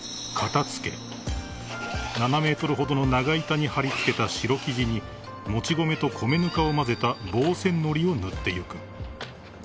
［７ｍほどの長板にはり付けた白生地にもち米と米ぬかを混ぜた防染のりを塗ってゆく］